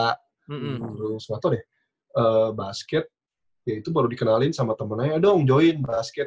terus nggak tau deh basket ya itu baru dikenalin sama temen aja dong join basket